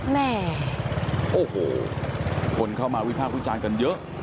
แม่โอ้โหคนเข้ามาวิภาควิจารณ์กันเยอะ